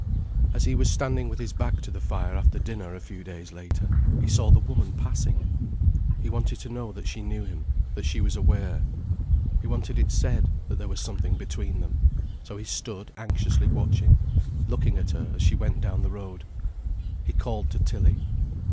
As he was standing with his back to the fire after dinner a few days later, he saw the woman passing. He wanted to know that she knew him, that she was aware. He wanted it said that there was something between them. So he stood anxiously watching, looking at her as she went down the road. He called to Tilly.